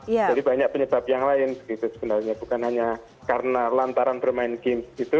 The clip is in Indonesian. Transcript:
jadi banyak penyebab yang lain sebenarnya bukan hanya karena lantaran bermain games gitu